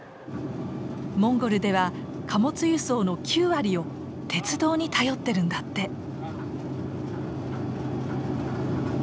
モンゴルでは貨物輸送の９割を鉄道に頼ってるんだって。